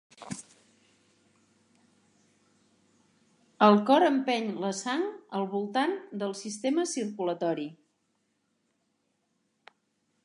El cor empeny la sang al voltant del sistema circulatori.